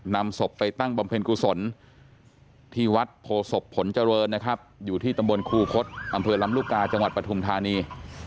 นำศพไปตั้งบำเพ็ญกุศลที่วัดโพศพผลเจริญนะครับอยู่ที่ตำบลครูคศอำเภอลำลูกกาจังหวัดปฐุมธานี